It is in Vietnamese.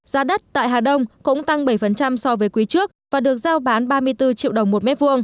giá đất tại hà đông cũng tăng bảy so với quý trước và được giao bán ba mươi bốn triệu đồng một m hai